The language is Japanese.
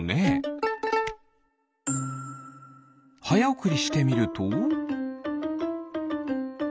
はやおくりしてみると。